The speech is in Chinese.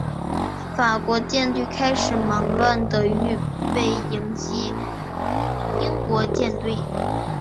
法国舰队开始忙乱地预备迎击英国舰队。